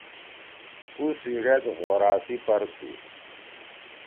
اُو سی ڙید غورا سی پر تُھو۔